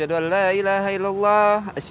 assalamualaikum warahmatullahi wabarakatuh